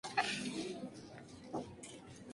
El resto de signos son casi innecesarios en su totalidad.